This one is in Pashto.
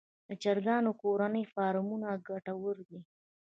د چرګانو کورني فارمونه ګټور دي